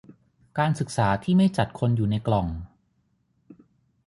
การศึกษาที่ไม่จัดคนอยู่ในกล่อง